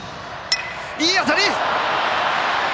いい当たり！